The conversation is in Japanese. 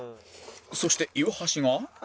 そして岩橋が